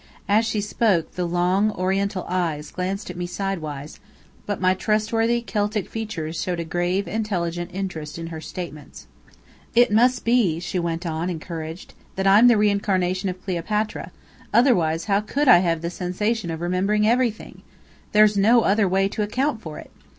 As she spoke, the long, oriental eyes glanced at me sidewise, but my trustworthy Celtic features showed a grave, intelligent interest in her statements. "It must be," she went on, encouraged, "that I'm the reincarnation of Cleopatra, otherwise how could I have the sensation of remembering everything? There's no other way to account for it!